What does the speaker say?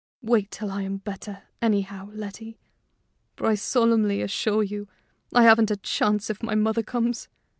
"Wait till I am better, anyhow, Letty; for I solemnly assure you I haven't a chance if my mother comes.